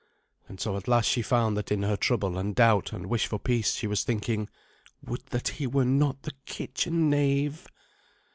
And so at last she found that in her trouble and doubt and wish for peace she was thinking, "Would that he were not the kitchen knave!"